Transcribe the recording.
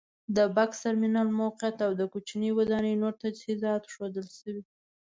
د بکس ترمینل موقعیت او د کوچنۍ ودانۍ نور تجهیزات ښودل شوي.